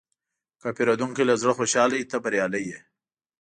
که پیرودونکی له زړه خوشحاله وي، ته بریالی یې.